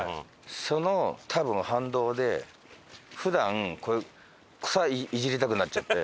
その多分反動で普段草いじりたくなっちゃって。